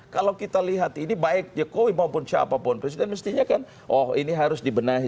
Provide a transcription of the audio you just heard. kalau kita lihat ini baik jokowi maupun siapapun presiden mestinya kan oh ini harus dibenahi